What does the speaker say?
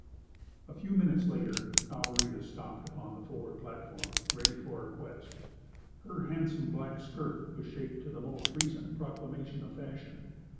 A few minutes later Alvarita stopped upon the forward platform, ready for her quest. Her handsome black skirt was shaped to the most recent proclamation of fashion.